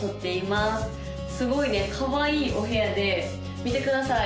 すごいかわいいお部屋で見てください